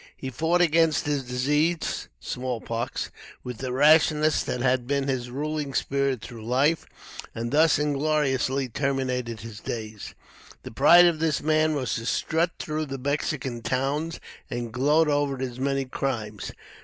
He fought against his disease (small pox) with that rashness that had been his ruling spirit through life, and thus ingloriously terminated his days. The pride of this man was to strut through the Mexican towns and gloat over his many crimes.